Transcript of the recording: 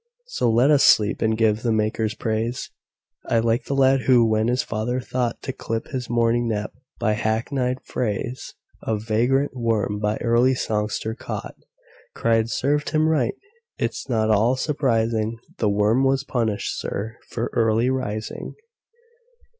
So let us sleep, and give the Maker praise.I like the lad who, when his father thoughtTo clip his morning nap by hackneyed phraseOf vagrant worm by early songster caught, Cried, "Served him right!—it 's not at all surprising; The worm was punished, sir, for early rising!"